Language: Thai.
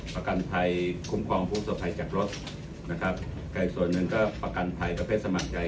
ประกันภัยคุ้มครองผู้สบภัยจากรถนะครับแต่อีกส่วนหนึ่งก็ประกันภัยประเภทสมัครใจ